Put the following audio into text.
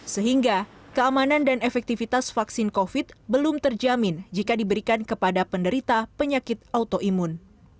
sehingga keamanan dan efektivitas vaksin covid belum terjamin jika diberikan kepada penderita penyakit autoimun